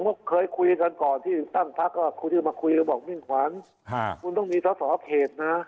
ผมก็เคยคุยกันก่อนที่ตั้งพระก็คุยกันมาคุยข้อมิ่งขวัญคนนึงต้องมีสอสอครรภิกษานะ